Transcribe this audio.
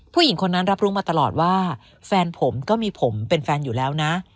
ผู้หญิงคนนั้นรับรู้มาตลอดว่าแฟนผมก็มีผมเป็นแฟนอยู่แล้วนะ